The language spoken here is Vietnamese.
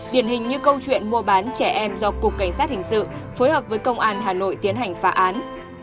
điển hình như câu chuyện mua bán trẻ em do cục cảnh sát hình sự phối hợp với công an hà nội tiến hành phá án